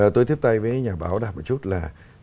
tôi tiếp tay với nhà báo đạp một chút là